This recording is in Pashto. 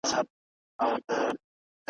په کلو یې کورته غل نه وو راغلی `